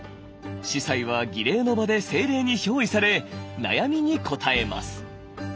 司祭は儀礼の場で精霊に憑依され悩みに答えます。